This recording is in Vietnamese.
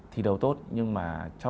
thi đấu tốt nhưng mà